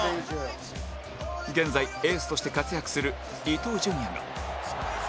現在エースとして活躍する伊東純也が